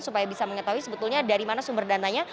supaya bisa mengetahui sebetulnya dari mana sumber dana nya